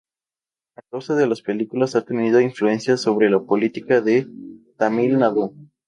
A causa de las películas ha tenido influencia sobre la política de Tamil Nadu.